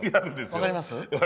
分かります？